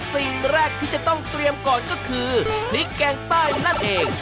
สิ่งแรกที่จะต้องเตรียมก่อนก็คือพริกแกงใต้นั่นเอง